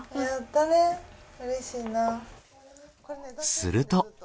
すると。